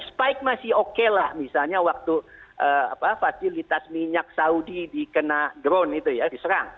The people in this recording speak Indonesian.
spike masih oke lah misalnya waktu fasilitas minyak saudi dikena drone itu ya diserang